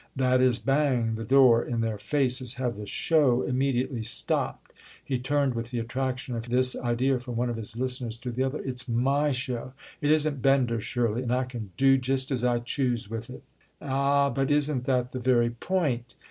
—that is bang the door in their faces, have the show immediately stopped?" He turned with the attraction of this idea from one of his listeners to the other. "It's my show—it isn't Bender's, surely!—and I can do just as I choose with it." "Ah, but isn't that the very point?"